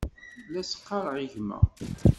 La as-ɣɣareɣ i gma.